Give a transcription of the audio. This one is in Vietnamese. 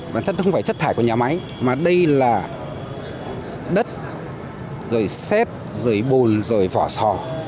bản thân không phải chất thải của nhà máy mà đây là đất rồi xét rời bồn rồi vỏ sò